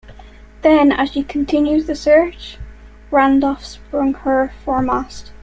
Then, as she continued the search, "Randolph" sprung her foremast.